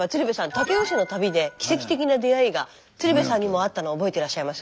武雄市の旅で奇跡的な出会いが鶴瓶さんにもあったの覚えてらっしゃいます？